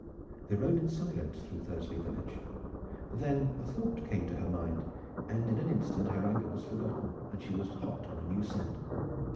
They rode in silence through Thursley village. Then a thought came to her mind and in an instant her anger was forgotten and she was hot on a new scent.